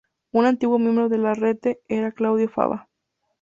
Un antiguo miembros de "La Rete" era Claudio Fava.